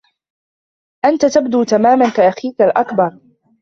انت تبدو تماما كاخيك الاكبر.